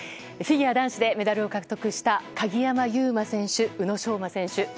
フィギュア男子でメダルを獲得した鍵山優真選手、宇野昌磨選手